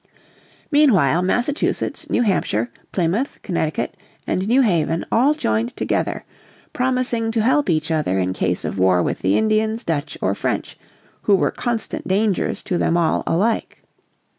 Meanwhile Massachusetts, New Hampshire, Plymouth, Connecticut, and New Haven all joined together, promising to help each other in case of war with the Indians, Dutch, or French, who were constant dangers to them all alike.